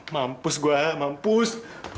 mampus gua mampus